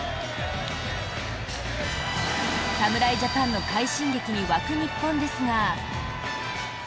侍ジャパンの快進撃に沸く日本ですが。